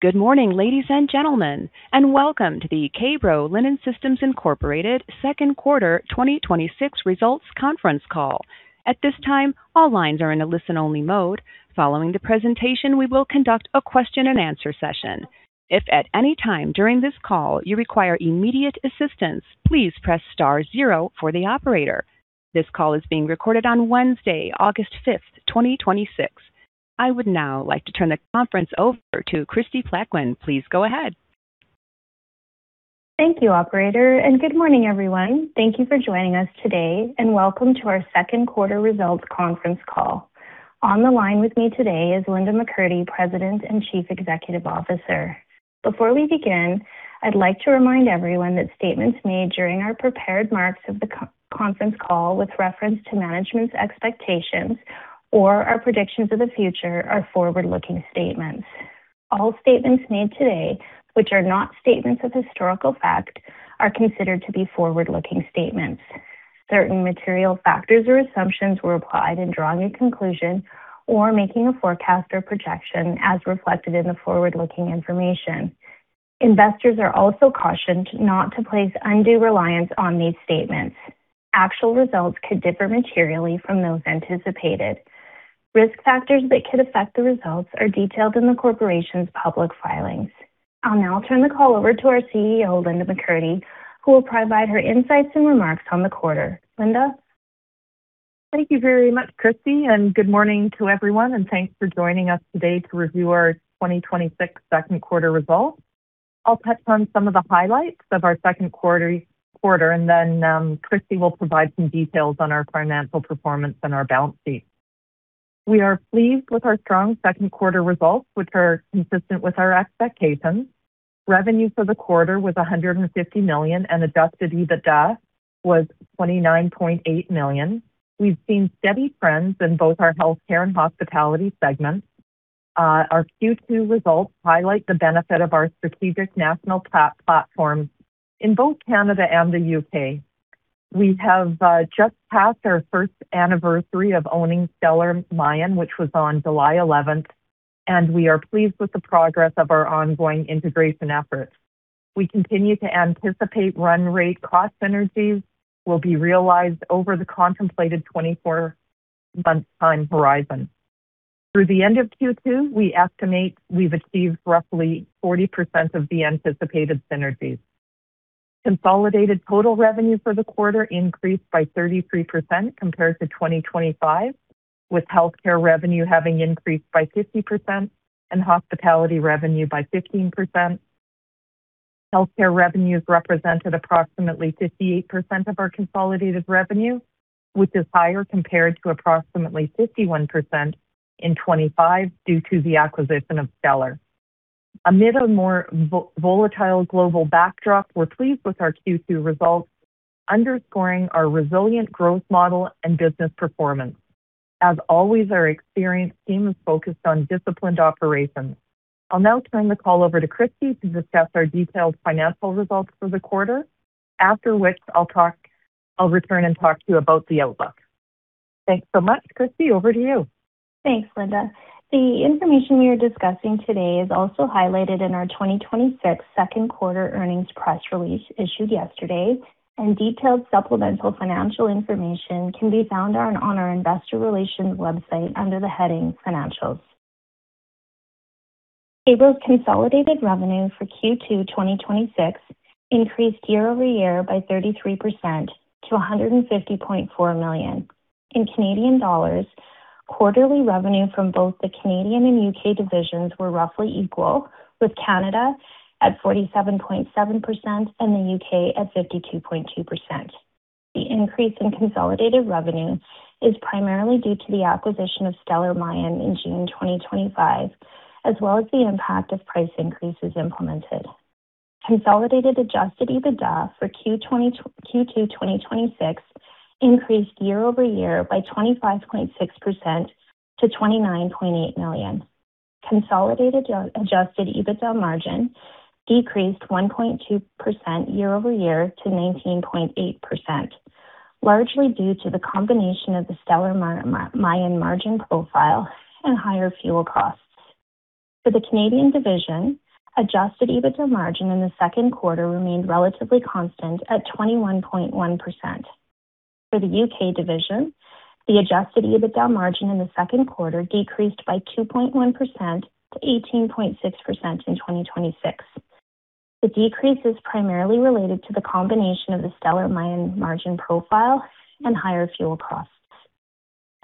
Good morning, ladies and gentlemen, and welcome to the K-Bro Linen Systems Incorporated second quarter 2026 results conference call. At this time, all lines are in a listen-only mode. Following the presentation, we will conduct a question and answer session. If at any time during this call you require immediate assistance, please press star zero for the operator. This call is being recorded on Wednesday, August 5th, 2026. I would now like to turn the conference over to Kristie Plaquin. Please go ahead. Thank you, operator. Good morning, everyone. Thank you for joining us today. Welcome to our second quarter results conference call. On the line with me today is Linda McCurdy, President and Chief Executive Officer. Before we begin, I'd like to remind everyone that statements made during our prepared remarks of the conference call with reference to management's expectations or our predictions of the future are forward-looking statements. All statements made today, which are not statements of historical fact, are considered to be forward-looking statements. Certain material factors or assumptions were applied in drawing a conclusion or making a forecast or projection as reflected in the forward-looking information. Investors are also cautioned not to place undue reliance on these statements. Actual results could differ materially from those anticipated. Risk factors that could affect the results are detailed in the corporation's public filings. I'll now turn the call over to our CEO, Linda McCurdy, who will provide her insights and remarks on the quarter. Linda? Thank you very much, Kristie. Good morning to everyone. Thanks for joining us today to review our 2026 second quarter results. I'll touch on some of the highlights of our second quarter. Kristie will provide some details on our financial performance and our balance sheet. We are pleased with our strong second quarter results, which are consistent with our expectations. Revenue for the quarter was 150 million. Adjusted EBITDA was 29.8 million. We've seen steady trends in both our healthcare and hospitality segments. Our Q2 results highlight the benefit of our strategic national platforms in both Canada and the U.K. We have just passed our first anniversary of owning Stellar Mayan, which was on July 11th, and we are pleased with the progress of our ongoing integration efforts. We continue to anticipate run rate cost synergies will be realized over the contemplated 24-month time horizon. Through the end of Q2, we estimate we've achieved roughly 40% of the anticipated synergies. Consolidated total revenue for the quarter increased by 33% compared to 2025, with healthcare revenue having increased by 50% and hospitality revenue by 15%. Healthcare revenues represented approximately 58% of our consolidated revenue, which is higher compared to approximately 51% in 2025 due to the acquisition of Stellar. Amid a more volatile global backdrop, we are pleased with our Q2 results, underscoring our resilient growth model and business performance. As always, our experienced team is focused on disciplined operations. I will now turn the call over to Kristie to discuss our detailed financial results for the quarter. After which I will return and talk to you about the outlook. Thanks so much. Kristie, over to you. Thanks, Linda. The information we are discussing today is also highlighted in our 2026 second quarter earnings press release issued yesterday, and detailed supplemental financial information can be found on our investor relations website under the heading Financials. K-Bro's consolidated revenue for Q2 2026 increased year-over-year by 33% to 150.4 million. In Canadian dollars, quarterly revenue from both the Canadian and U.K. divisions were roughly equal, with Canada at 47.7% and the U.K. at 52.2%. The increase in consolidated revenue is primarily due to the acquisition of Stellar Mayan in June 2025, as well as the impact of price increases implemented. Consolidated adjusted EBITDA for Q2 2026 increased year-over-year by 25.6% to 29.8 million. Consolidated adjusted EBITDA margin decreased 1.2% year-over-year to 19.8%, largely due to the combination of the Stellar Mayan margin profile and higher fuel costs. For the Canadian division, adjusted EBITDA margin in the second quarter remained relatively constant at 21.1%. For the U.K. division, the adjusted EBITDA margin in the second quarter decreased by 2.1% to 18.6% in 2026. The decrease is primarily related to the combination of the Stellar Mayan margin profile and higher fuel costs.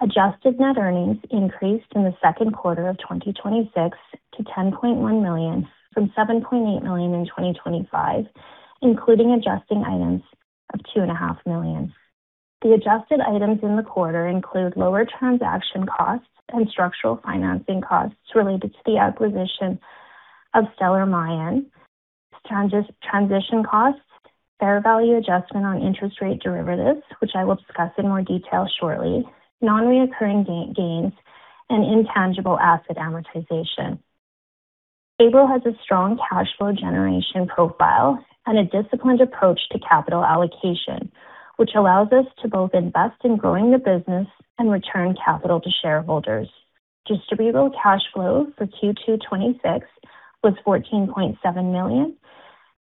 Adjusted net earnings increased in the second quarter of 2026 to 10.1 million from 7.8 million in 2025, including adjusting items of 2.5 million. The adjusted items in the quarter include lower transaction costs and structural financing costs related to the acquisition of Stellar Mayan, transition costs, fair value adjustment on interest rate derivatives, which I will discuss in more detail shortly, non-recurring gains, and intangible asset amortization. K-Bro has a strong cash flow generation profile and a disciplined approach to capital allocation which allows us to both invest in growing the business and return capital to shareholders. Distributable cash flow for Q2 2026 was 14.7 million,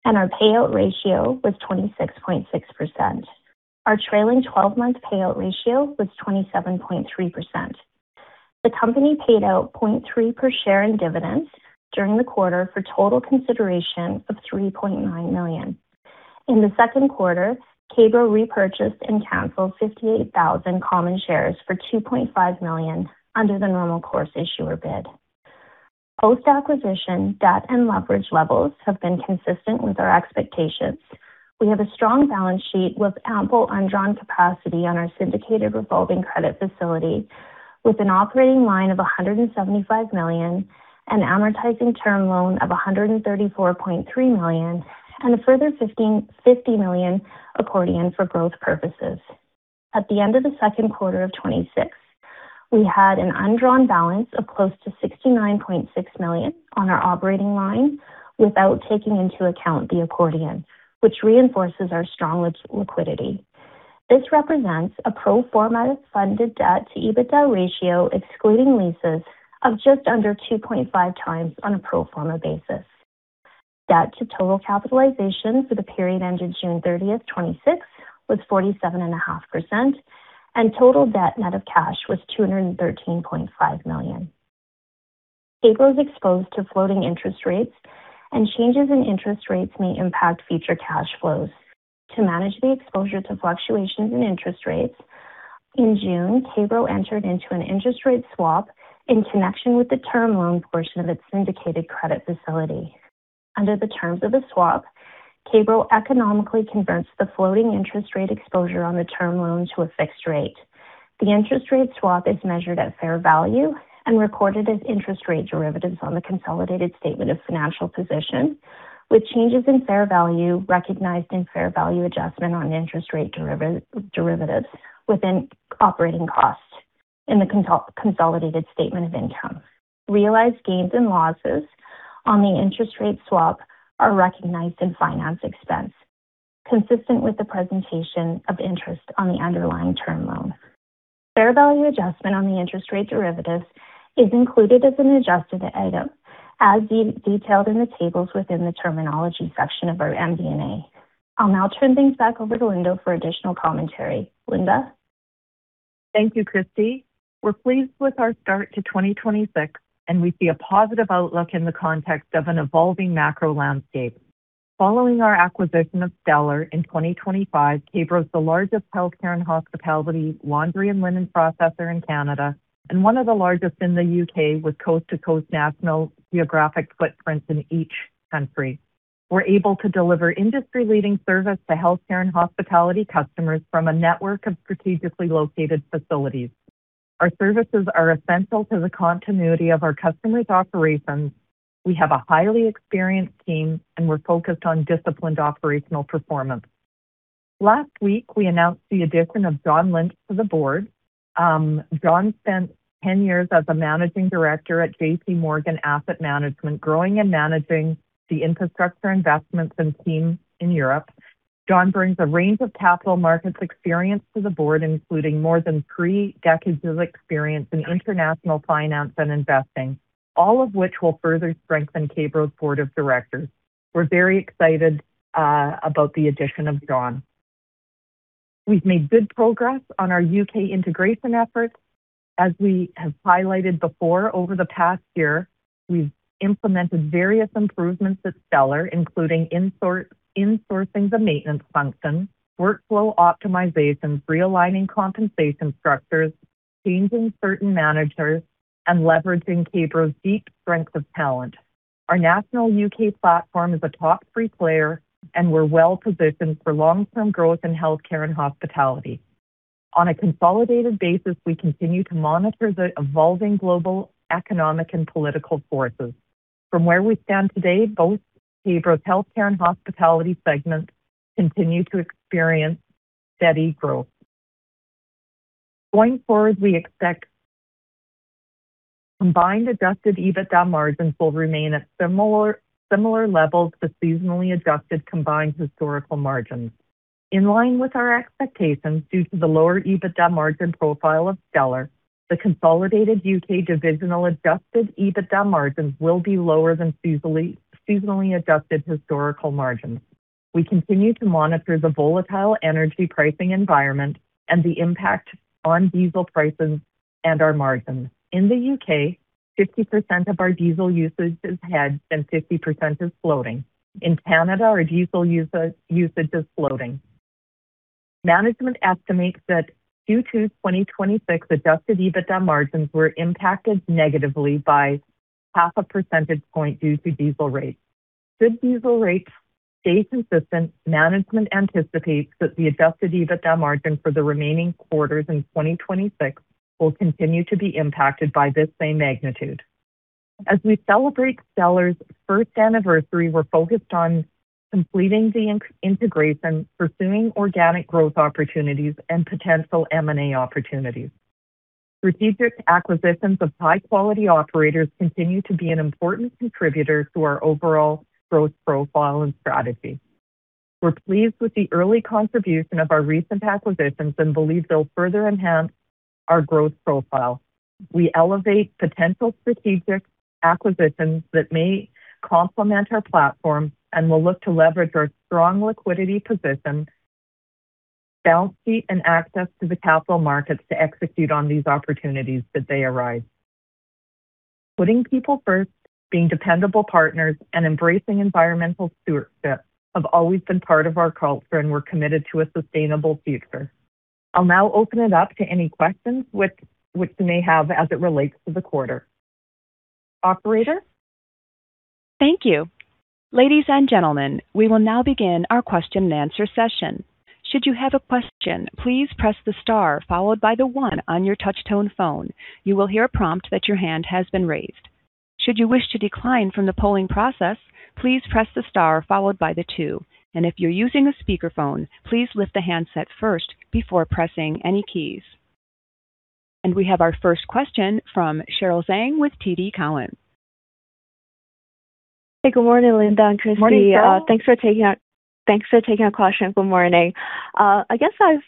and our payout ratio was 26.6%. Our trailing 12-month payout ratio was 27.3%. The company paid out 0.3 per share in dividends during the quarter for a total consideration of 3.9 million. In the second quarter, K-Bro repurchased and canceled 58,000 common shares for 2.5 million under the normal course issuer bid. Post-acquisition, debt and leverage levels have been consistent with our expectations. We have a strong balance sheet with ample undrawn capacity on our syndicated revolving credit facility, with an operating line of 175 million, an amortizing term loan of 134.3 million, and a further 50 million accordion for growth purposes. At the end of the second quarter of 2026, we had an undrawn balance of close to 69.6 million on our operating line without taking into account the accordion, which reinforces our strong liquidity. This represents a pro forma funded debt to EBITDA ratio, excluding leases, of just under 2.5 times on a pro forma basis. Debt to total capitalization for the period ending June 30th, 2026 was 47.5%, and total debt net of cash was 213.5 million. K-Bro is exposed to floating interest rates, and changes in interest rates may impact future cash flows. To manage the exposure to fluctuations in interest rates, in June, K-Bro entered into an interest rate swap in connection with the term loan portion of its syndicated credit facility. Under the terms of the swap, K-Bro economically converts the floating interest rate exposure on the term loan to a fixed rate. The interest rate swap is measured at fair value and recorded as interest rate derivatives on the consolidated statement of financial position, with changes in fair value recognized in fair value adjustment on interest rate derivatives within operating costs in the consolidated statement of income. Realized gains and losses on the interest rate swap are recognized in finance expense, consistent with the presentation of interest on the underlying term loan. Fair value adjustment on the interest rate derivatives is included as an adjusted item, as detailed in the tables within the terminology section of our MD&A. I'll now turn things back over to Linda for additional commentary. Linda? Thank you, Kristie. We're pleased with our start to 2026, and we see a positive outlook in the context of an evolving macro landscape. Following our acquisition of Stellar in 2025, K-Bro is the largest healthcare and hospitality laundry and linen processor in Canada and one of the largest in the U.K., with coast-to-coast national geographic footprints in each country. We're able to deliver industry-leading service to healthcare and hospitality customers from a network of strategically located facilities. Our services are essential to the continuity of our customers' operations. We have a highly experienced team, and we're focused on disciplined operational performance. Last week, we announced the addition of John Lynch to the board. John spent 10 years as a managing director at J.P. Morgan Asset Management, growing and managing the infrastructure investments and team in Europe. John brings a range of capital markets experience to the board, including more than three decades of experience in international finance and investing, all of which will further strengthen K-Bro's board of directors. We're very excited about the addition of John. We've made good progress on our U.K. integration efforts. As we have highlighted before, over the past year, we've implemented various improvements at Stellar, including insourcing the maintenance function, workflow optimizations, realigning compensation structures, changing certain managers, and leveraging K-Bro's deep strength of talent. Our national U.K. platform is a top three player, and we're well-positioned for long-term growth in healthcare and hospitality. On a consolidated basis, we continue to monitor the evolving global economic and political forces. From where we stand today, both K-Bro's healthcare and hospitality segments continue to experience steady growth. Going forward, we expect combined adjusted EBITDA margins will remain at similar levels to seasonally adjusted combined historical margins. In line with our expectations, due to the lower EBITDA margin profile of Stellar, the consolidated U.K. divisional adjusted EBITDA margins will be lower than seasonally adjusted historical margins. We continue to monitor the volatile energy pricing environment and the impact on diesel prices and our margins. In the U.K., 50% of our diesel usage is hedged and 50% is floating. In Canada, our diesel usage is floating. Management estimates that Q2 2026 adjusted EBITDA margins were impacted negatively by half a percentage point due to diesel rates. Should diesel rates stay consistent, management anticipates that the adjusted EBITDA margin for the remaining quarters in 2026 will continue to be impacted by this same magnitude. As we celebrate Stellar's first anniversary, we are focused on completing the integration, pursuing organic growth opportunities, and potential M&A opportunities. Strategic acquisitions of high-quality operators continue to be an important contributor to our overall growth profile and strategy. We are pleased with the early contribution of our recent acquisitions and believe they will further enhance our growth profile. We elevate potential strategic acquisitions that may complement our platform, and will look to leverage our strong liquidity position, balance sheet, and access to the capital markets to execute on these opportunities as they arise. Putting people first, being dependable partners, and embracing environmental stewardship have always been part of our culture, and we are committed to a sustainable future. I will now open it up to any questions which you may have as it relates to the quarter. Operator? Thank you. Ladies and gentlemen, we will now begin our question and answer session. Should you have a question, please press the star followed by the one on your touch tone phone. You will hear a prompt that your hand has been raised. Should you wish to decline from the polling process, please press the star followed by the two. If you are using a speakerphone, please lift the handset first before pressing any keys. We have our first question from Cheryl Zhang with TD Cowen. Hey, good morning, Linda and Kristie. Good morning, Cheryl. Thanks for taking our question. Good morning. I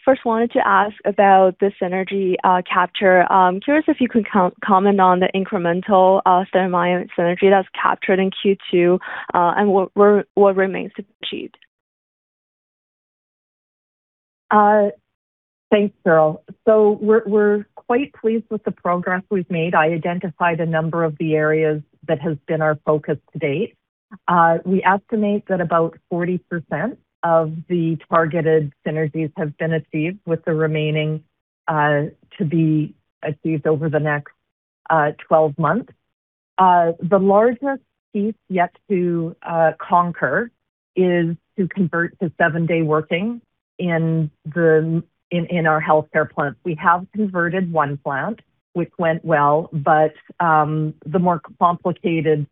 first wanted to ask about the synergy capture. I am curious if you could comment on the incremental Stellar Mayan synergy that was captured in Q2, and what remains to be achieved. Thanks, Cheryl. We're quite pleased with the progress we've made. I identified a number of the areas that has been our focus to date. We estimate that about 40% of the targeted synergies have been achieved, with the remaining to be achieved over the next 12 months. The largest piece yet to conquer is to convert to seven-day working in our healthcare plants. We have converted one plant, which went well. The more complicated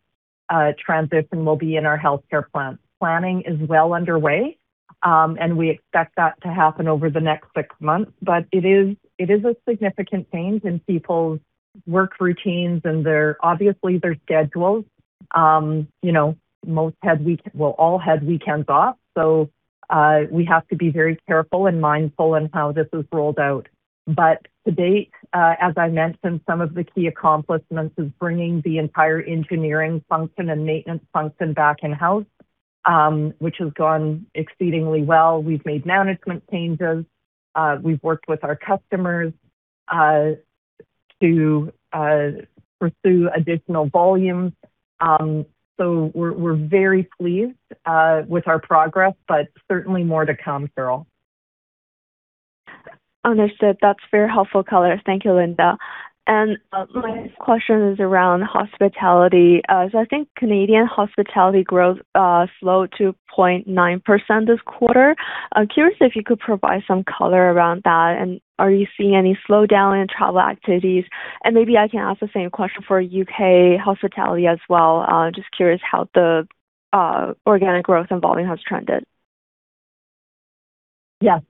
transition will be in our healthcare plants. Planning is well underway, and we expect that to happen over the next six months. It is a significant change in people's work routines and obviously their schedules. Well, all had weekends off, we have to be very careful and mindful in how this is rolled out. To date, as I mentioned, some of the key accomplishments is bringing the entire engineering function and maintenance function back in-house, which has gone exceedingly well. We've made management changes. We've worked with our customers to pursue additional volumes. We're very pleased with our progress, certainly more to come, Cheryl. Understood. That's very helpful color. Thank you, Linda. My next question is around hospitality. I think Canadian hospitality growth slowed to 0.9% this quarter. I'm curious if you could provide some color around that, and are you seeing any slowdown in travel activities? Maybe I can ask the same question for U.K. hospitality as well. Just curious how the organic growth involving has trended. Yes.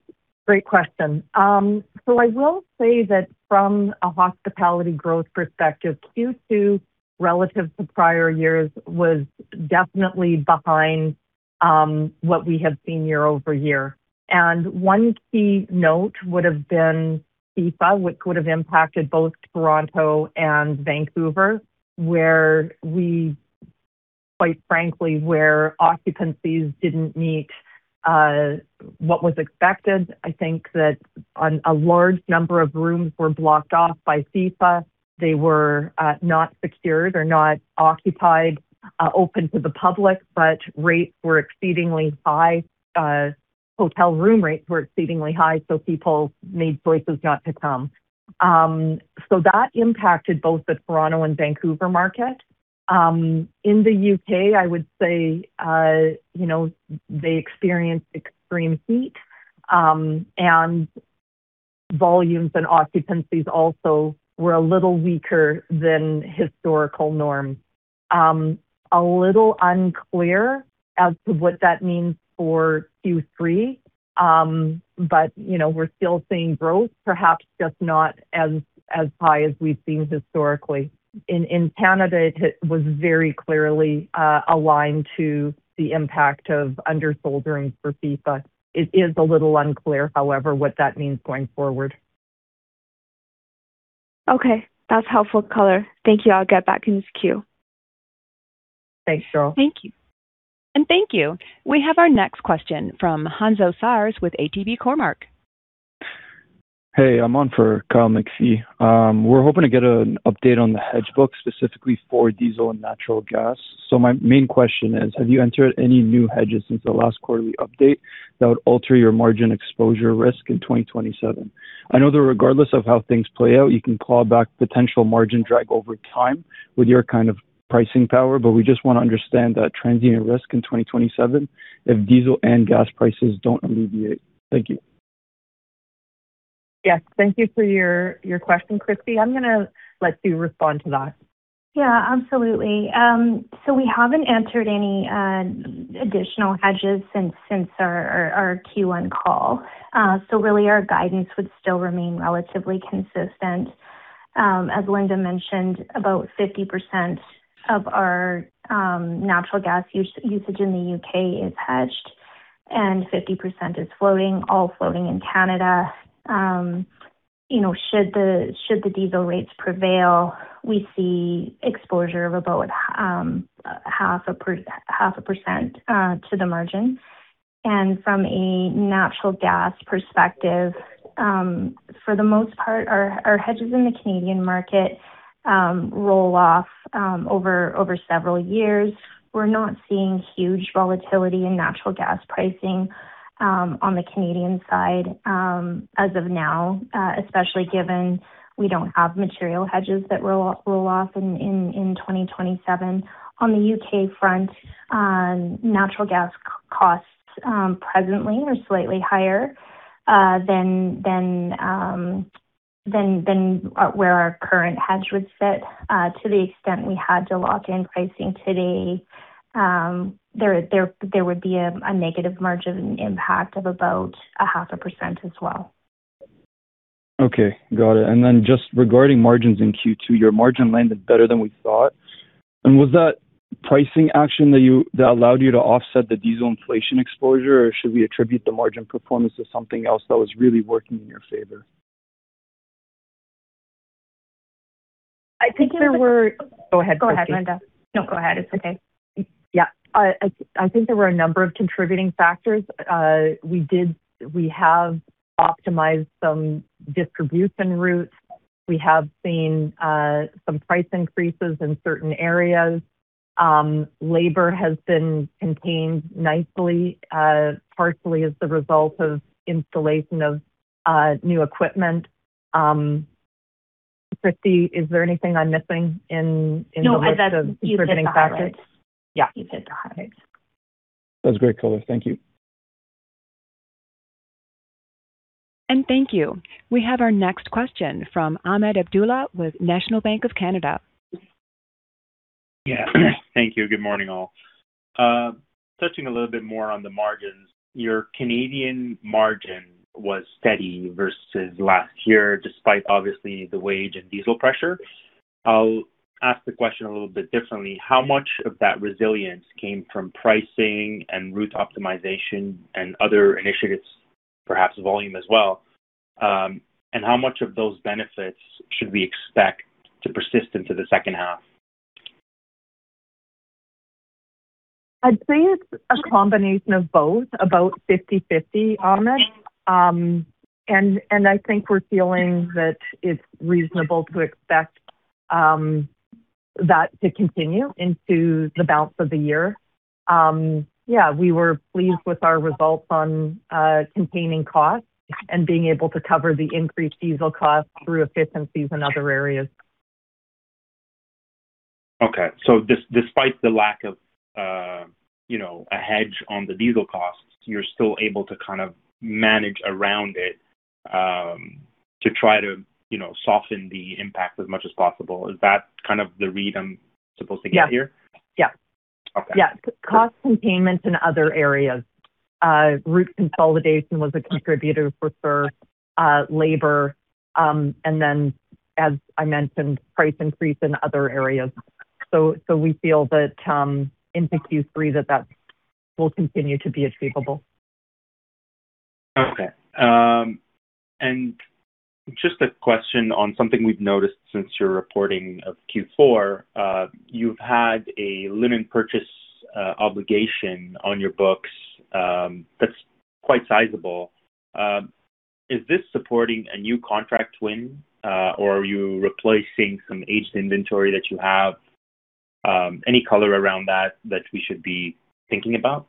Great question. I will say that from a hospitality growth perspective, Q2 relative to prior years was definitely behind what we have seen year-over-year. One key note would've been FIFA, which could have impacted both Toronto and Vancouver, where quite frankly, where occupancies didn't meet what was expected. I think that a large number of rooms were blocked off by FIFA. They were not secured or not occupied, open to the public, but rates were exceedingly high. Hotel room rates were exceedingly high, people made choices not to come. That impacted both the Toronto and Vancouver market. In the U.K., I would say, they experienced extreme heat, and volumes and occupancies also were a little weaker than historical norms. A little unclear as to what that means for Q3. We're still seeing growth, perhaps just not as high as we've seen historically. In Canada, it was very clearly aligned to the impact of under-selling for FIFA. It is a little unclear, however, what that means going forward. Okay. That's helpful color. Thank you. I'll get back in queue. Thanks, Cheryl. Thank you. Thank you. We have our next question from Hanzo Sars with ATB Cormark. Hey, I'm on for Kyle McPhee. We're hoping to get an update on the hedge book specifically for diesel and natural gas. My main question is, have you entered any new hedges since the last quarterly update that would alter your margin exposure risk in 2027? I know that regardless of how things play out, you can claw back potential margin drag over time with your kind of pricing power, but we just want to understand that transient risk in 2027 if diesel and gas prices don't alleviate. Thank you. Yes, thank you for your question. Kristie, I'm going to let you respond to that. Yeah, absolutely. We haven't entered any additional hedges since our Q1 call. Really our guidance would still remain relatively consistent. As Linda mentioned, about 50% of our natural gas usage in the U.K. is hedged and 50% is floating, all floating in Canada. Should the diesel rates prevail, we see exposure of about 0.5% to the margin. From a natural gas perspective, for the most part, our hedges in the Canadian market roll off over several years. We're not seeing huge volatility in natural gas pricing on the Canadian side as of now, especially given we don't have material hedges that roll off in 2027. On the U.K. front, natural gas costs presently are slightly higher than where our current hedge would sit. To the extent we had to lock in pricing today, there would be a negative margin impact of about 0.5% as well. Okay. Got it. Then just regarding margins in Q2, your margin landed better than we thought. Was that pricing action that allowed you to offset the diesel inflation exposure, or should we attribute the margin performance to something else that was really working in your favor? I think there were Go ahead, Kristie. (No, go ahead. It's okay). Yeah. I think there were a number of contributing factors. We have optimized some distribution routes. We have seen some price increases in certain areas. Labor has been contained nicely, partially as the result of installation of new equipment. Christy, is there anything I'm missing in the list of contributing factors? No, I think you've hit the highlights. Yeah. You've hit the highlights. That's great color. Thank you. Thank you. We have our next question from Ahmed Abdullah with National Bank of Canada. Yeah. Thank you. Good morning, all. Touching a little bit more on the margins, your Canadian margin was steady versus last year, despite obviously the wage and diesel pressure. I'll ask the question a little bit differently. How much of that resilience came from pricing and route optimization and other initiatives, perhaps volume as well? How much of those benefits should we expect to persist into the second half? I'd say it's a combination of both, about 50/50, Ahmed. I think we're feeling that it's reasonable to expect that to continue into the balance of the year. Yeah, we were pleased with our results on containing costs and being able to cover the increased diesel costs through efficiencies in other areas. Okay. Despite the lack of a hedge on the diesel costs, you're still able to manage around it to try to soften the impact as much as possible. Is that the read I'm supposed to get here? Yeah. Okay. Yeah. Cost containment in other areas. Route consolidation was a contributor for sure, labor, then as I mentioned, price increase in other areas. We feel that in Q3, that will continue to be achievable. Okay. Just a question on something we've noticed since your reporting of Q4. You've had a linen purchase obligation on your books that's quite sizable. Is this supporting a new contract win, or are you replacing some aged inventory that you have? Any color around that we should be thinking about?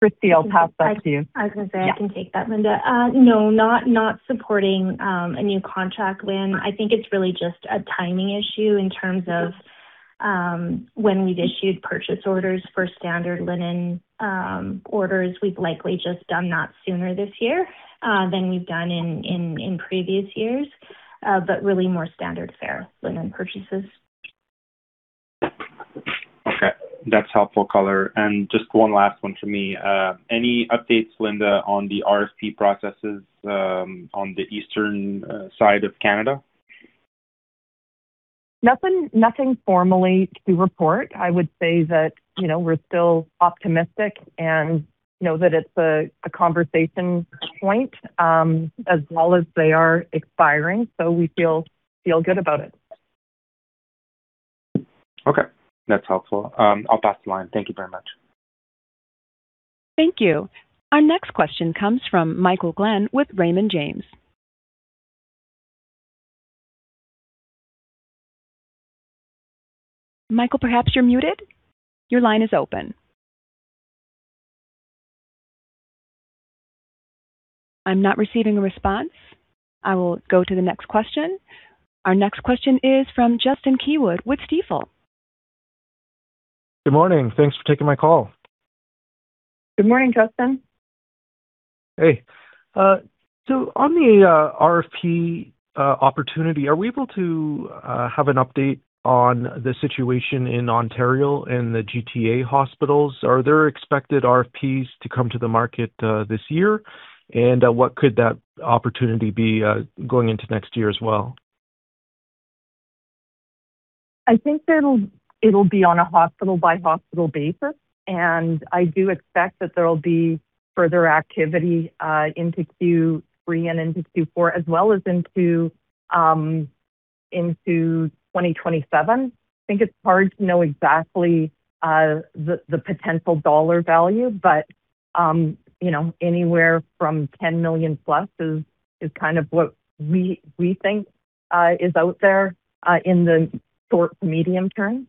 Christy, I'll pass that to you. I was going to say I can take that, Linda. No, not supporting a new contract win. I think it's really just a timing issue in terms of when we've issued purchase orders for standard linen orders. We've likely just done that sooner this year than we've done in previous years. Really more standard fare linen purchases. Okay. That's helpful color. Just one last one from me. Any updates, Linda, on the RFP processes on the eastern side of Canada? Nothing formal to report. I would say that we're still optimistic and that it's a conversation point as well as they are expiring, so we feel good about it. Okay. That's helpful. I'll pass the line. Thank you very much. Thank you. Our next question comes from Michael Glen with Raymond James. Michael, perhaps you're muted? Your line is open. I'm not receiving a response. I will go to the next question. Our next question is from Justin Keywood with Stifel. Good morning. Thanks for taking my call. Good morning, Justin. Hey. On the RFP opportunity, are we able to have an update on the situation in Ontario and the GTA hospitals? Are there expected RFPs to come to the market this year? What could that opportunity be going into next year as well? I think it'll be on a hospital-by-hospital basis, and I do expect that there'll be further activity into Q3 and into Q4 as well as into 2027. I think it's hard to know exactly the potential dollar value, but anywhere from 10 million plus is kind of what we think is out there in the short to medium term.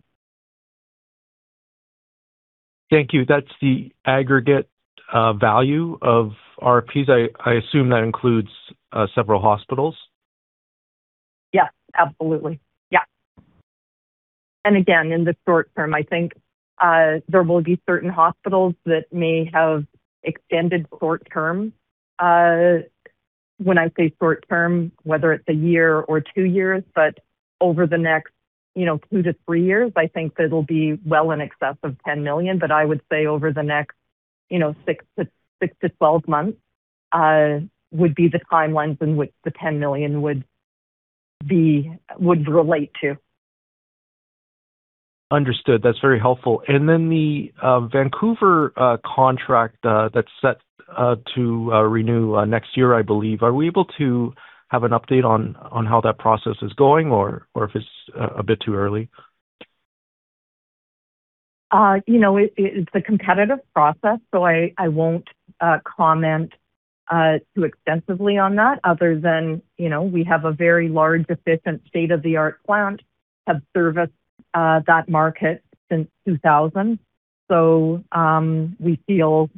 Thank you. That's the aggregate value of RFPs. I assume that includes several hospitals. Yes, absolutely. Yeah. Again, in the short term, I think there will be certain hospitals that may have extended short term. When I say short term, whether it's one year or two years, but over the next two to three years, I think that it'll be well in excess of 10 million. I would say over the next 6 to 12 months would be the timelines in which the 10 million would relate to. Understood. That's very helpful. Then the Vancouver contract that's set to renew next year, I believe. Are we able to have an update on how that process is going, or if it's a bit too early? It's a competitive process, I won't comment too extensively on that other than we have a very large, efficient state-of-the-art plant, have serviced that market since 2000. We feel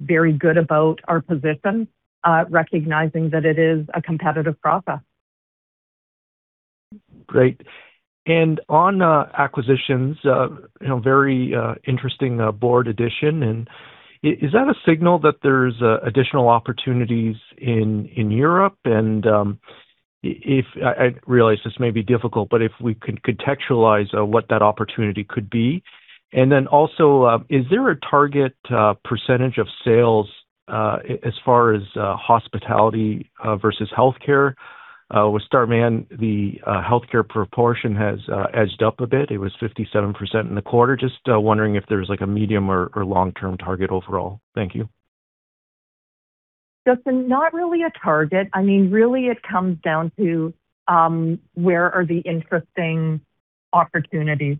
very good about our position, recognizing that it is a competitive process. Great. On acquisitions, very interesting board addition. Is that a signal that there's additional opportunities in Europe? I realize this may be difficult, but if we could contextualize what that opportunity could be. Also, is there a target percentage of sales as far as hospitality versus healthcare? With Stellar Mayan, the healthcare proportion has edged up a bit. It was 57% in the quarter. Just wondering if there's a medium or long-term target overall. Thank you. Justin, not really a target. Really, it comes down to where are the interesting opportunities.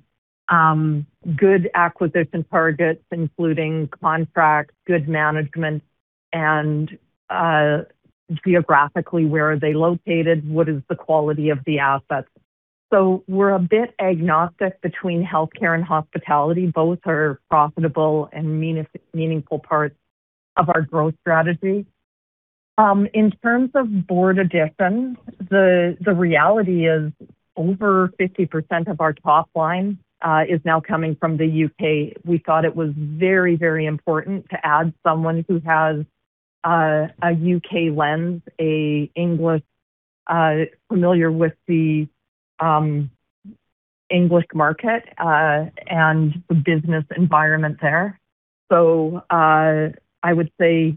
Good acquisition targets, including contracts, good management, and geographically, where are they located? What is the quality of the assets? We're a bit agnostic between healthcare and hospitality. Both are profitable and meaningful parts of our growth strategy. In terms of board addition, the reality is over 50% of our top line is now coming from the U.K. We thought it was very important to add someone who has a U.K. lens, familiar with the English market, and the business environment there. I would say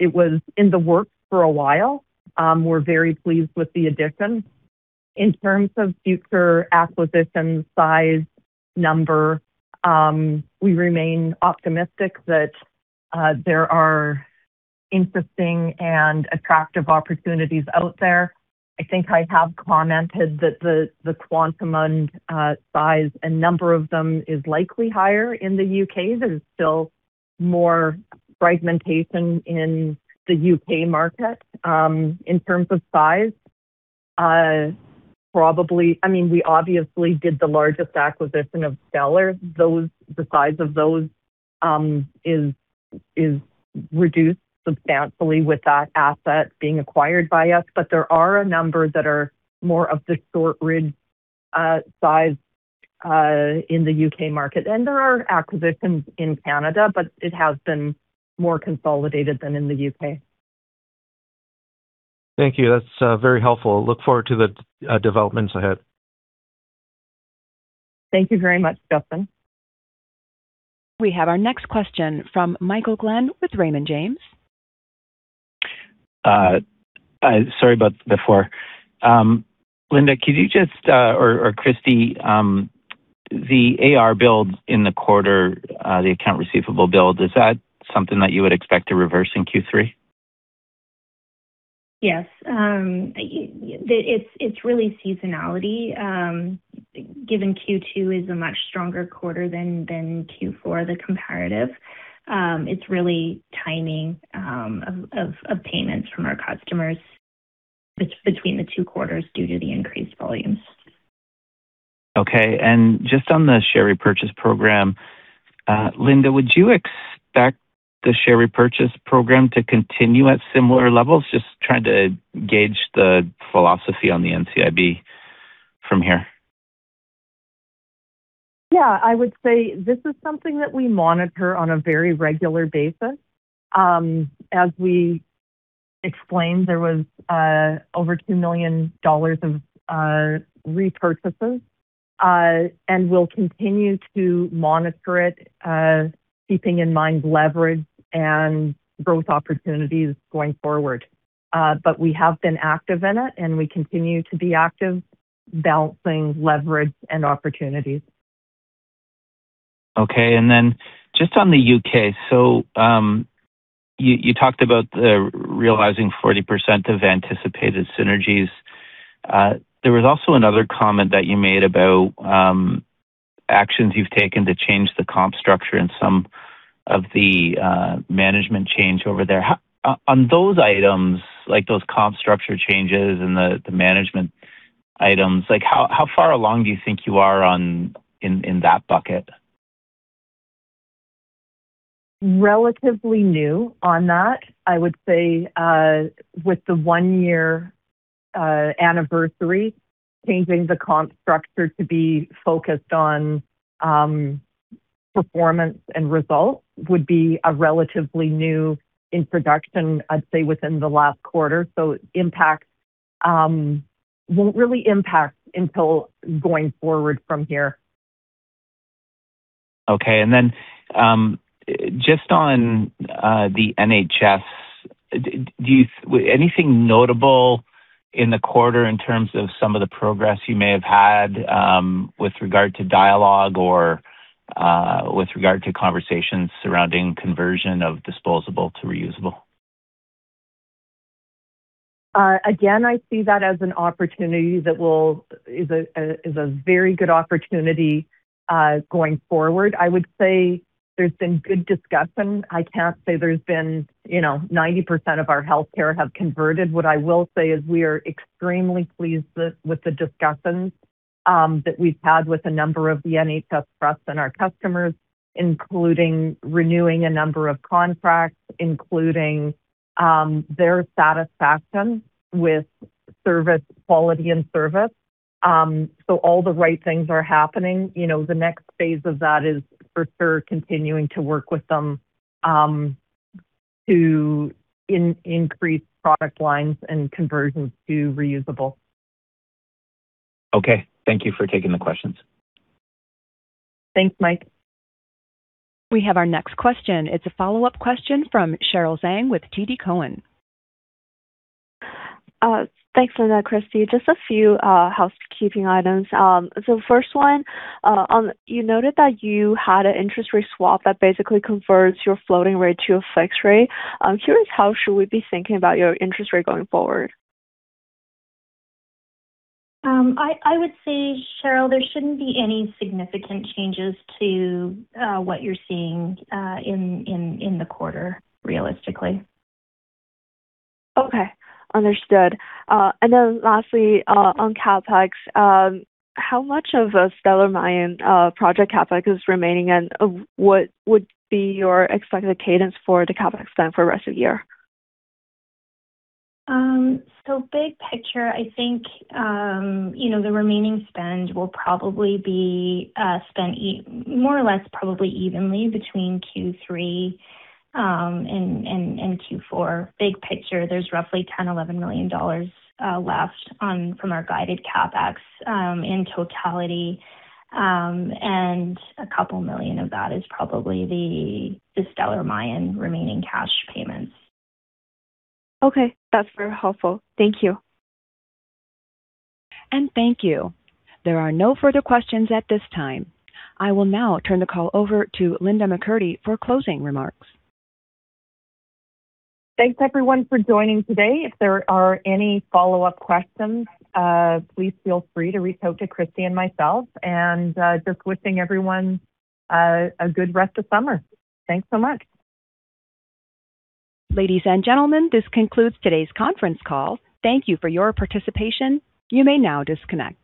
it was in the works for a while. We're very pleased with the addition. In terms of future acquisition size number, we remain optimistic that there are interesting and attractive opportunities out there. I think I have commented that the quantum and size and number of them is likely higher in the U.K. There's still more fragmentation in the U.K. market, in terms of size. We obviously did the largest acquisition of Stellar Mayan. The size of those is reduced substantially with that asset being acquired by us. There are a number that are more of the Shortridge size in the U.K. market. There are acquisitions in Canada, but it has been more consolidated than in the U.K. Thank you. That's very helpful. Look forward to the developments ahead. Thank you very much, Justin. We have our next question from Michael Glen with Raymond James. Sorry about before. Linda, could you just, or Christy, the AR bills in the quarter, the account receivable bill, is that something that you would expect to reverse in Q3? Yes. It's really seasonality, given Q2 is a much stronger quarter than Q4, the comparative. It's really timing of payments from our customers between the two quarters due to the increased volumes. Okay. Just on the share repurchase program Linda, would you expect the share repurchase program to continue at similar levels? Just trying to gauge the philosophy on the NCIB from here. Yeah. I would say this is something that we monitor on a very regular basis. As we explained, there was over 2 million dollars of repurchases. We'll continue to monitor it, keeping in mind leverage and growth opportunities going forward. We have been active in it, and we continue to be active, balancing leverage and opportunities. Okay. Just on the U.K., you talked about realizing 40% of anticipated synergies. There was also another comment that you made about actions you've taken to change the comp structure and some of the management change over there. On those items, like those comp structure changes and the management items, how far along do you think you are in that bucket? Relatively new on that. I would say with the one-year anniversary, changing the comp structure to be focused on performance and results would be a relatively new introduction, I'd say, within the last quarter. It won't really impact until going forward from here. Okay. Just on the NHS, anything notable in the quarter in terms of some of the progress you may have had with regard to dialogue or with regard to conversations surrounding conversion of disposable to reusable? I see that as an opportunity that is a very good opportunity going forward. I would say there's been good discussions. I can't say there's been 90% of our healthcare have converted. We are extremely pleased with the discussions that we've had with a number of the NHS trusts and our customers, including renewing a number of contracts, including their satisfaction with service quality and service. All the right things are happening. The next phase of that is for sure continuing to work with them to increase product lines and conversion to reusable. Okay. Thank you for taking the questions. Thanks, Mike. We have our next question. It's a follow-up question from Cheryl Zhang with TD Cowen. Thanks, Linda, Kristie. Just a few housekeeping items. First one, you noted that you had an interest rate swap that basically converts your floating rate to a fixed rate. I'm curious, how should we be thinking about your interest rate going forward? I would say, Cheryl, there shouldn't be any significant changes to what you're seeing in the quarter, realistically. Okay. Understood. Then lastly, on CapEx, how much of a Stellar Mayan project CapEx is remaining, and what would be your expected cadence for the CapEx spend for the rest of the year? Big picture, I think the remaining spend will probably be spent more or less probably evenly between Q3 and Q4. Big picture, there's roughly 10, 11 million dollars left from our guided CapEx in totality. A couple million CAD of that is probably the Stellar Mayan remaining cash payments. Okay. That's very helpful. Thank you. Thank you. There are no further questions at this time. I will now turn the call over to Linda McCurdy for closing remarks. Thanks everyone for joining today. If there are any follow-up questions, please feel free to reach out to Kristie and myself. Just wishing everyone a good rest of summer. Thanks so much. Ladies and gentlemen, this concludes today's conference call. Thank you for your participation. You may now disconnect.